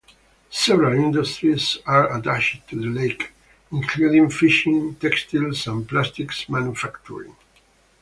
Several industries are attached to the lake, including fishing, textiles, and plastics manufacturing.